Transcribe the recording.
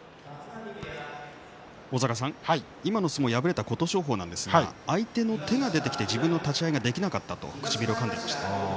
今敗れた琴勝峰ですが相手の手が出てきて自分の立ち合いができなかったと唇をかんでいました。